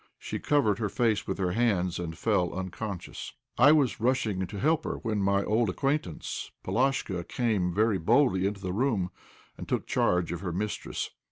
She covered her face with her hands, and fell unconscious. I was rushing to help her, when my old acquaintance, Polashka, came very boldly into the room, and took charge of her mistress.